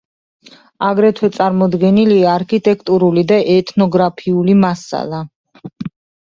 აგრეთვე წარმოდგენილია არქიტექტურული და ეთნოგრაფიული მასალა.